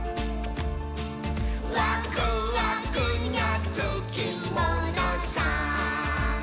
「ワクワクにゃつきものさ」